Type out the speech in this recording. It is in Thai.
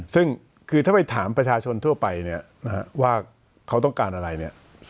ซึ่งคือถ้าไปถามประชาชนทั่วไปเนี่ยนะฮะว่าเขาต้องการอะไรเนี่ย